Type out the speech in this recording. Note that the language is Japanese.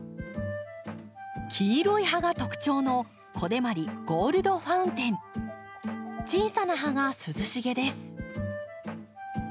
黄色い葉が特徴の小さな葉が涼しげです。